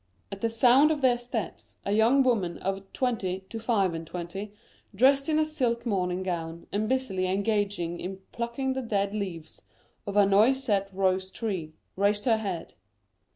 At the sound of their steps a young woman of twenty to five and twenty, dressed in a silk morning gown, and busily engaged in plucking the dead leaves off a noisette rose tree, raised her head.